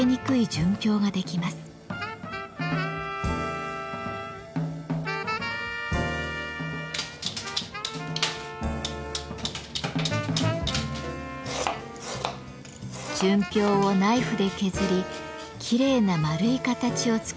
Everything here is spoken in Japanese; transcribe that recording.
純氷をナイフで削りきれいな丸い形を作ります。